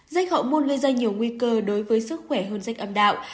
rách hậu muôn gây ra nhiều nguy cơ đối với sức khỏe hơn rách âm đạo